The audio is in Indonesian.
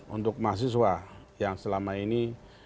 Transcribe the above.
untuk mahasiswa yang selama ini